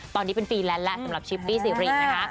ตอนนี้เป็นฟรีแลนซ์แล้วสำหรับชิปปี้สิรินะคะ